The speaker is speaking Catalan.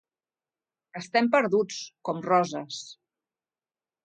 Estem perduts, com Roses.